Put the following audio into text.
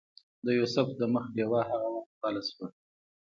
د یوسف د مخ ډیوه هغه وخت بله شوه.